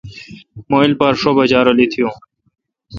مہ ایلپار شو بجا رل اتییون